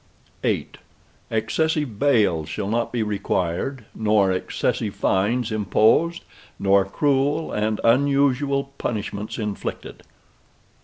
VIII Excessive bail shall not be required nor excessive fines imposed, nor cruel and unusual punishments inflicted.